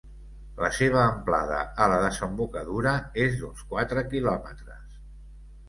La seva amplada, a la desembocadura, és d'uns quatre quilòmetres.